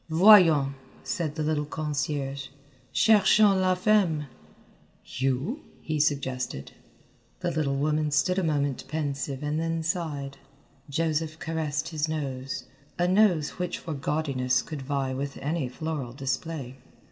"Voyons," said the little concierge, "cherchons la femme!" "You?" he suggested. The little woman stood a moment pensive and then sighed. Joseph caressed his nose, a nose which for gaudiness could vie with any floral display.